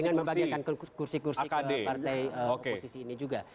dengan membagikan kursi kursi ke partai oposisi ini juga